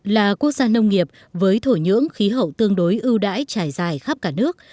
là quốc gia nông nghiệp với thổ nhưỡng khí hậu tương đối ưu đãi trải dài khắp cả nước